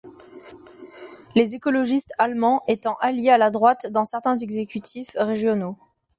Les écologistes allemands étant alliés à la droite dans certains exécutifs régionaux.